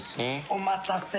お待たせ。